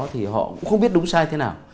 thì họ cũng không biết đúng sai thế nào